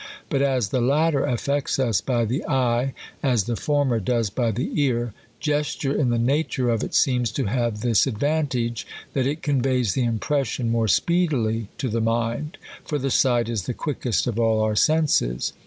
But as the latter affects us by the eye as the former does by the ear, gesture in the nature of it seems to have this ad vantage, that it conveys the impression more speedily to the mind ; for the sight is the quickest of all our senses.